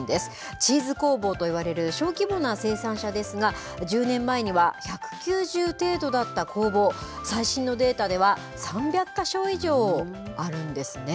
チーズ工房といわれる小規模な生産者ですが、１０年前には、１９０程度だった工房、最新のデータでは、３００か所以上あるんですね。